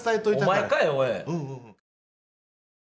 お前かいおい！